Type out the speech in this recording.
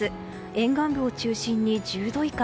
沿岸部を中心に１０度以下。